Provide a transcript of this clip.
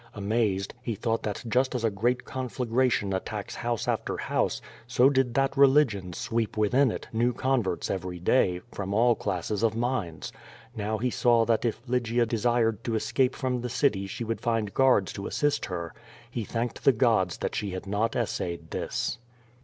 Amazed, he thought that just as a great conflagration attacks house after house, so did that religion sweep within lyo QUO VADIS. it new converts every day, from all classes of minds. Now he saw that if Lygia desired to escape from the city she would find guards to assist her. He thanked the gods that she had not essayed this.